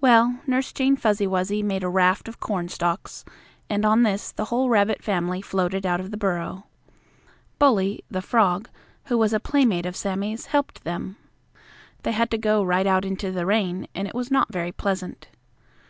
Well, Nurse Jane Fuzzy Wuzzy made a raft of cornstalks, and on this the whole rabbit family floated out of the burrow. Bully, the frog, who was a playmate of Sammie's, helped them. They had to go right out into the rain, and it was not very pleasant.